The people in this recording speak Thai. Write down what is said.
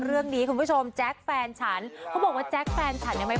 เรื่องนี้คุณผู้ชมแจ๊กแฟนฉันเขาบอกว่าแจ๊กแฟนฉันเนี่ยไหม